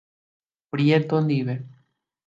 Prieto ndive.